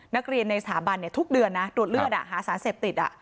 ในสถาบันทุกเดือนนะตรวจเลือดหาสารเสพติด